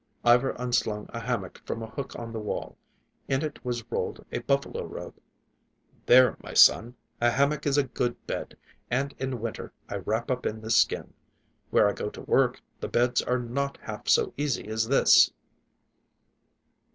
Ivar unslung a hammock from a hook on the wall; in it was rolled a buffalo robe. "There, my son. A hammock is a good bed, and in winter I wrap up in this skin. Where I go to work, the beds are not half so easy as this."